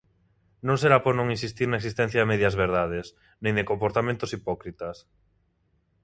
Non será por non insistir na existencia de medias verdades, nin de comportamentos hipócritas.